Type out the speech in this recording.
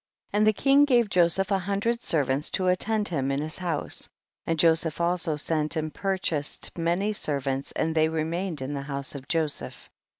39. And the king gave Joseph a hundred servants to attend him in his house, and Joseph also sent and purchased many servants and they remained in the house of Joseph.